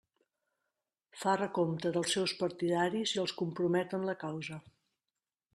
Fa recompte dels seus partidaris i els compromet en la causa.